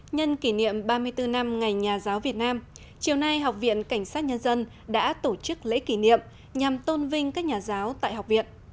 nhân kỷ niệm ba mươi bốn năm ngày nhà giáo việt nam chiều nay học viện cảnh sát nhân dân đã tổ chức lễ kỷ niệm nhằm tôn vinh các nhà giáo tại học viện